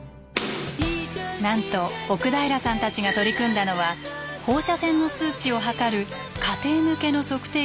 なんと奥平さんたちが取り組んだのは放射線の数値を測る家庭向けの測定器の開発。